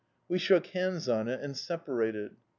"We shook hands on it and separated.